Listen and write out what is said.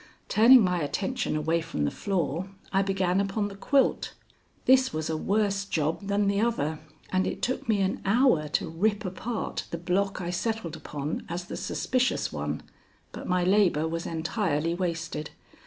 Turning my attention away from the floor, I began upon the quilt. This was a worse job than the other, and it took me an hour to rip apart the block I settled upon as the suspicious one, but my labor was entirely wasted.